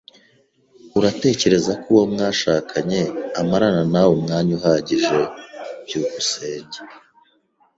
Uratekereza ko uwo mwashakanye amarana nawe umwanya uhagije? byukusenge